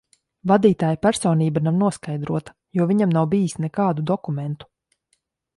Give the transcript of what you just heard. Vadītāja personība nav noskaidrota, jo viņam nav bijis nekādu dokumentu.